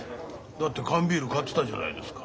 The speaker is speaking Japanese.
だって缶ビール買ってたじゃないですか。